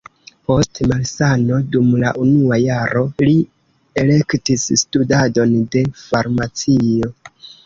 Post malsano dum la unua jaro li elektis studadon de farmacio.